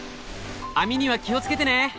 網には気を付けてね。